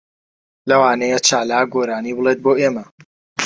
لەوانەیە چالاک گۆرانی بڵێت بۆ ئێمە.